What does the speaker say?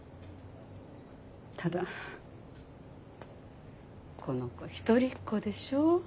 ただこの子一人っ子でしょ？